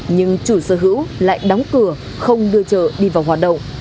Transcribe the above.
nhưng chủ sở hữu lại đóng cửa không đưa chợ đi vào hoạt động